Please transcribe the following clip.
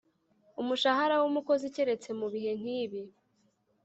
Umushahara w umukozi keretse mu bihe nkibi